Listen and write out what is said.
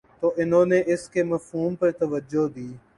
تو انہوں نے اس کے مفہوم پر توجہ دی